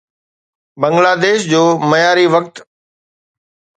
بنگلاديش جو معياري وقت